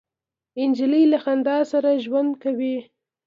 نجلۍ له خندا سره ژوند کوي.